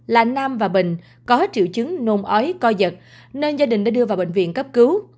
là nam và bình có triệu chứng nôn ói co giật nên gia đình đã đưa vào bệnh viện cấp cứu